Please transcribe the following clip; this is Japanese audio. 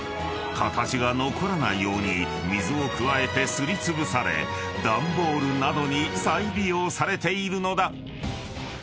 形が残らないように水を加えてすりつぶされ段ボールなどに再利用されているのだ］